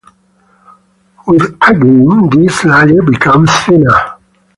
With ageing, this layer becomes thinner.